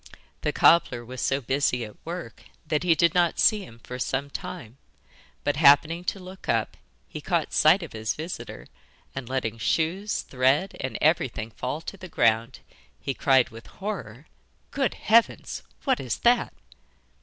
The cobbler was so busy at work that he did not see him for some time, but, happening to look up, he caught sight of his visitor, and letting shoes, thread, and everything fall to the ground, he cried with horror: 'Good heavens! what is that?